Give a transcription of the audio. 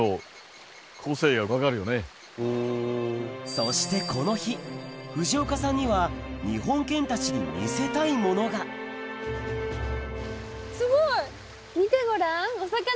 そしてこの日藤岡さんには日本犬たちに見せたいものが・すごい・見てごらん。